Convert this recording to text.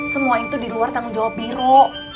semua itu di luar tanggung jawab biru